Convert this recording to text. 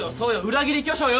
裏切り巨匠よ！